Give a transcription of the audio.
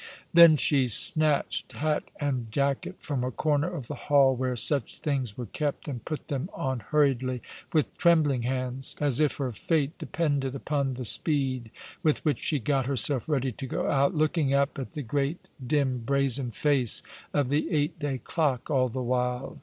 Then she snatched hat and jacket from a corner of the hall where such things were kept, and put them on hurriedly, with trembling hands, as if her fate depended upon the speed with which she got herself ready to go out, looking up at the great, dim, brazen face of the eight day clock all the while.